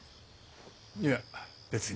いや別に。